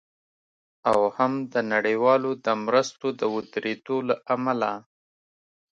او هم د نړیوالو د مرستو د ودریدو له امله